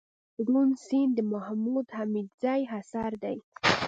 روڼ سيند دمحمود حميدزي اثر دئ